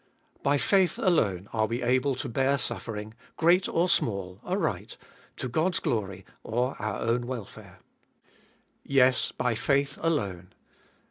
By faith alone are we able to bear suffering, great or small, aright, to God's glory or our own welfare. Yes, by faith alone.